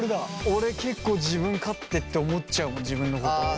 俺結構自分勝手って思っちゃう自分のこと。